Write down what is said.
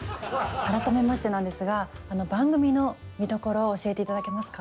改めましてなんですが番組の見どころを教えていただけますか？